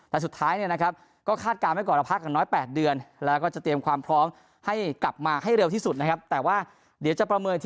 แต่สุดท้ายเนี่ยนะครับก็คาดการณ์ไว้ก่อนเราพักกันน้อย๘เดือนแล้วก็จะเตรียมความพร้อมให้กลับมาให้เร็วที่สุดนะครับแต่ว่าเดี๋ยวจะประเมินที